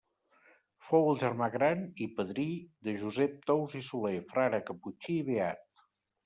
Fou el germà gran, i padrí, de Josep Tous i Soler, frare caputxí i beat.